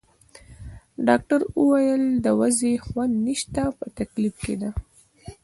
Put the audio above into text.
ډاکټر وویل: د وضعې خوند نشته، په تکلیف کې ده.